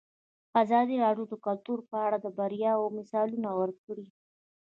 ازادي راډیو د کلتور په اړه د بریاوو مثالونه ورکړي.